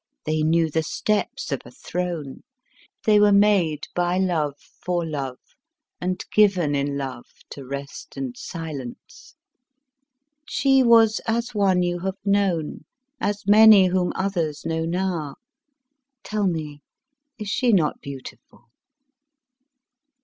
They knew the steps of a throne. They were made by love for love and given in love to rest and silence. She was as one you have known, as many whom others know now. Tell me, is she not beautiful?"